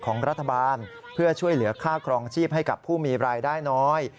ของรัฐบาลเพื่อช่วยเหลือค่าครองชีพให้กับผู้มีรายได้น้อย